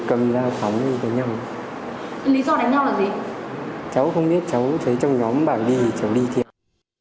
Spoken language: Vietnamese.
cháu không biết cháu thấy trong nhóm bạn đi thì cháu đi thiệt